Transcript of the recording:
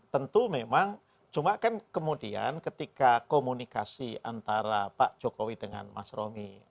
tentu memang cuma kan kemudian ketika komunikasi antara pak jokowi dengan mas romi